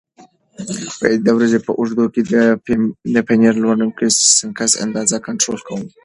زه د ورځې په اوږدو کې د پنیر لرونکي سنکس اندازه کنټرول کوم.